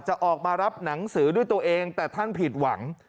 จะออกมารับหนังสือด้วยตัวเองแต่ท่านผิดหวัง